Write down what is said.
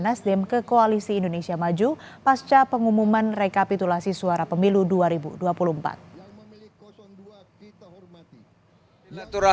nasdem ke koalisi indonesia maju pasca pengumuman rekapitulasi suara pemilu dua ribu dua puluh empat dua kita hormati